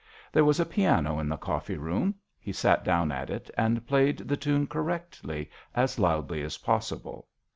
There was a piano in the coffee room; he sat down at it and played the tune correctly, as loudly as possible.